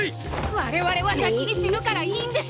我々は先に死ぬからいいんです！